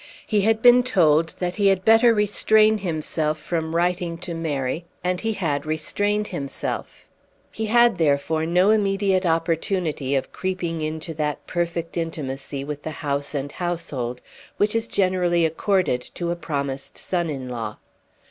He had been told that he had better restrain himself from writing to Mary, and he had restrained himself. He had therefore no immediate opportunity of creeping into that perfect intimacy with the house and household which is generally accorded to a promised son in law.